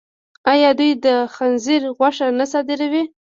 آیا دوی د خنزیر غوښه نه صادروي؟